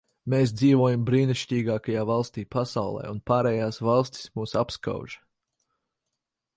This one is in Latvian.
Mēs dzīvojam brīnišķīgākajā valstī pasaulē, un pārējās valstis mūs apskauž.